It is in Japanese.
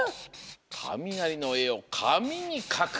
「かみなりのえをかみにかく」。